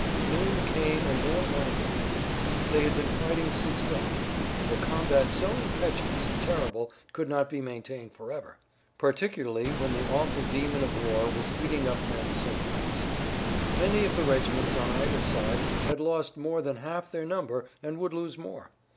Noon came and then one o'clock. They had been fighting since dawn, and a combat so impetuous and terrible could not be maintained forever, particularly when the awful demon of war was eating up men so fast. Many of the regiments on either side had lost more than half their number and would lose more.